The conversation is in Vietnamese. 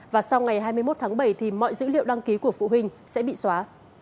và sau ngày hai mươi một tháng bảy thì mọi dữ liệu đăng ký của phụ huynh sẽ bị xóa